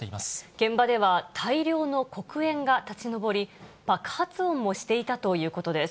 現場では、大量の黒煙が立ち上り、爆発音もしていたということです。